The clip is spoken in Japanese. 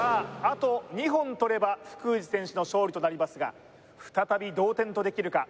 あと２本とれば福藤選手の勝利となりますが再び同点とできるか？